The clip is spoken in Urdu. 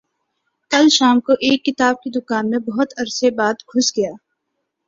کل شام کو ایک کتاب کی دکان میں بہت عرصہ بعد گھس گیا